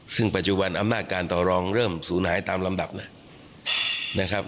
ซึ่งปัจจุบันอำนาจการต่อรองเริ่มสูญหายตามลำดับแล้วนะครับ